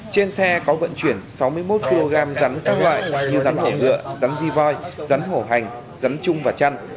trên xe có vận chuyển sáu mươi một kg rắn các loại như rắn thổ ngựa rắn di voi rắn hổ hành rắn trung và chăn